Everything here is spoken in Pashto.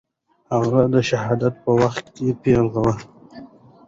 هغه د شهادت په وخت پېغله وه.